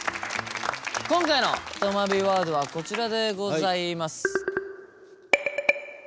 今回のとまビワードはこちらでございます。